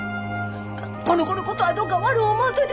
この子の事はどうか悪う思わんといてください！